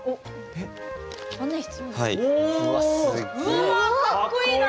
うわあかっこいいな。